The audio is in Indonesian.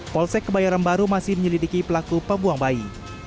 polsek kebayoran baru masih menyelidiki pelaku pembuang bayi